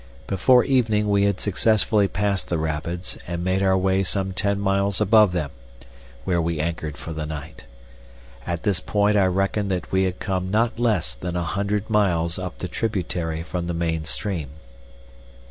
Before evening we had successfully passed the rapids, and made our way some ten miles above them, where we anchored for the night. At this point I reckoned that we had come not less than a hundred miles up the tributary from the main stream.